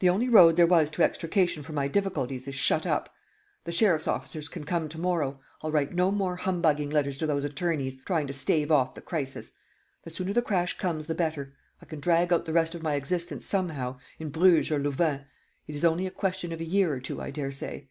The only road there was to extrication from my difficulties is shut up. The sheriff's officers can come to morrow. I'll write no more humbugging letters to those attorneys, trying to stave off the crisis. The sooner the crash comes the better; I can drag out the rest of my existence somehow, in Bruges or Louvain. It is only a question of a year or two, I daresay."